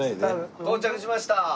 到着しました。